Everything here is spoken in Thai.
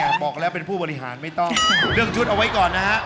แต่บอกแล้วเป็นผู้บริหารไม่ต้องเรื่องชุดเอาไว้ก่อนนะฮะ